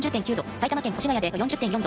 埼玉県越谷で４０．４度。